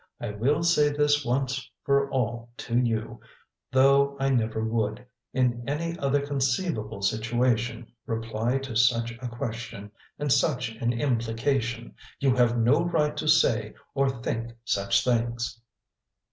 I will say this once for all to you, though I never would, in any other conceivable situation, reply to such a question and such an implication. You have no right to say or think such things."